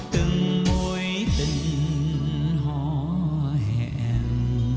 từng môi tình hò hẹn